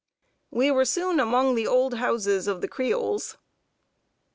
We were soon among the old houses of the Creoles.